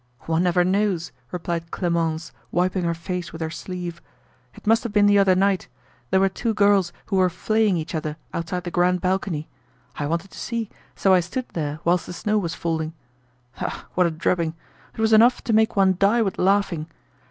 "One never knows!" replied Clemence, wiping her face with her sleeve. "It must have been the other night. There were two girls who were flaying each other outside the 'Grand Balcony.' I wanted to see, so I stood there whilst the snow was falling. Ah, what a drubbing! It was enough to make one die with laughing.